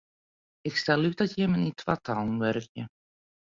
Ik stel út dat jimme yn twatallen wurkje.